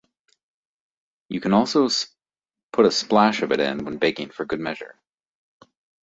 You can also put a splash of it in when baking for good measure.